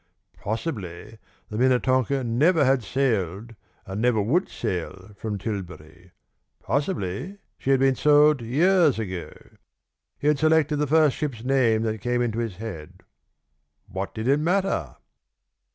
Possibly the Minnetonka never had sailed and never would sail from Tilbury. Possibly she had been sold years ago. He had selected the first ship's name that came into his head. What did it matter?